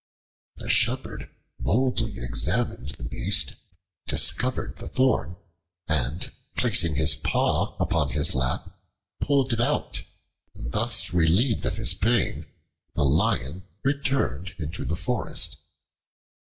The Shepherd boldly examined the beast, discovered the thorn, and placing his paw upon his lap, pulled it out; thus relieved of his pain, the Lion returned into the forest.